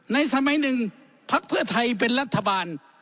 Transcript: สมัยหนึ่งภักดิ์เพื่อไทยเป็นรัฐบาล